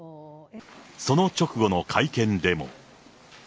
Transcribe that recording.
その直後の会見でも。